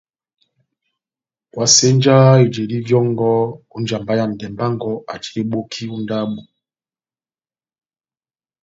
Ohásenjanɔ ijedi vyɔngɔ ó njamba ya ndɛmbɛ wɔngɔ aji eboki ó ndabo.